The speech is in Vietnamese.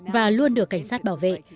và luôn được cảnh sát bảo vệ